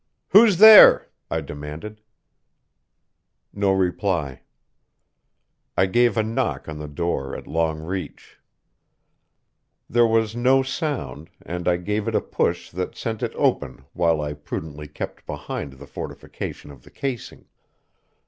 "Who's there?" I demanded. No reply. I gave a knock on the door at long reach. There was no sound and I gave it a push that sent it open while I prudently kept behind the fortification of the casing.